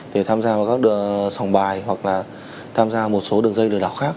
để tham gia vào các đường sòng bài hoặc tham gia một số đường dây lửa đảo khác